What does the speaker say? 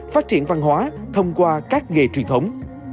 phát triển văn hóa thông qua các nghề truyền thống